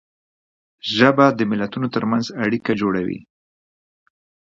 ژبه د ملتونو تر منځ اړیکه جوړوي.